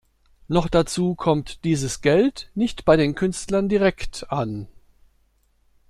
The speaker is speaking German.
Noch dazu kommt dieses Geld nicht bei den Künstlern direkt an.